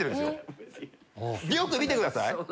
よく見てください